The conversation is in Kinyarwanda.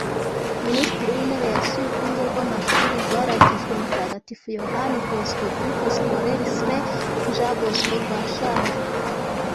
Minisitiri w’intebe yasuye urwunge rw’Amashuri rwaragijwe mutagatifu Yohani Bosiko (Groupe Scolaire Saint Jean Bosco) rwa Shangi